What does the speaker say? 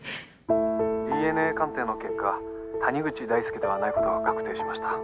「ＤＮＡ鑑定の結果谷口大祐ではないことが確定しました」